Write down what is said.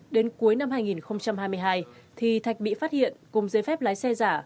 đến cuối năm hai nghìn hai mươi hai thì thạch bị phát hiện cùng giấy phép lái xe giả